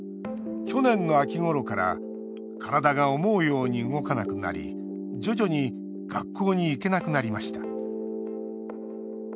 去年の秋ごろから体が思うように動かなくなり徐々に学校に行けなくなりました。